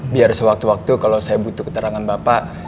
biar sewaktu waktu kalau saya butuh keterangan bapak